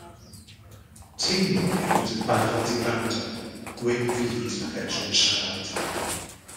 Teimlwn eu bod yn barod i wrando, gwyn fyd na fedrwn siarad.